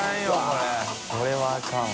これはあかんわ。